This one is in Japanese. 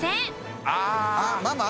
繊あっママ？